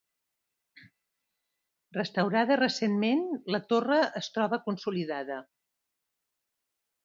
Restaurada recentment, la torre es troba consolidada.